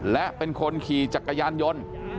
และเป็นคนขี่จักรยานยนต์